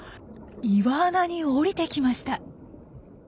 岩穴に降りてきました。